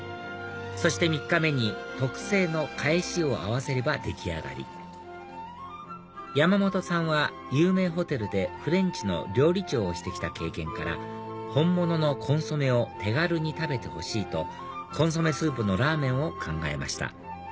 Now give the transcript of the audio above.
そして３日目に特製のかえしを合わせれば出来上がり山本さんは有名ホテルでフレンチの料理長をして来た経験から本物のコンソメを手軽に食べてほしいとコンソメスープのラーメンを考えました